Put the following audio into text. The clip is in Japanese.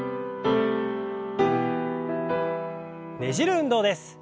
ねじる運動です。